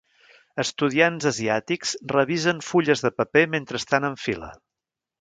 Estudiants asiàtics revisen fulles de paper mentre estan en fila.